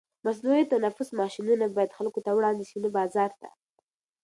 مصنوعي تنفس ماشینونه باید خلکو ته وړاندې شي، نه بازار ته.